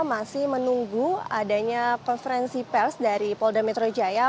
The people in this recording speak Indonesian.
masih menunggu adanya konferensi pers dari polda metro jaya